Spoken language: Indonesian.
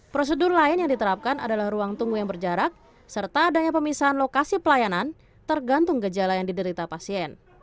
prosedur lain yang diterapkan adalah ruang tunggu yang berjarak serta adanya pemisahan lokasi pelayanan tergantung gejala yang diderita pasien